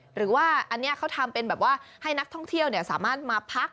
หรือว่าอันนี้เขาทำเป็นแบบว่าให้นักท่องเที่ยวสามารถมาพัก